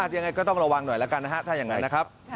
ยังไงก็ต้องระวังหน่อยแล้วกันนะฮะถ้าอย่างนั้นนะครับ